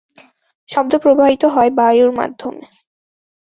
শব্দ প্রবাহিত হয় বায়ুর মাধ্যমে।